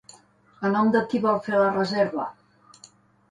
A nom de qui vol fer la reserva?